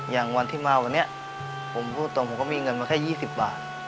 อย่างวันที่มาวันนี้ผมพูดตรงผมก็มีเงินมาแค่๒๐บาท